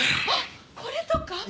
あっこれとか？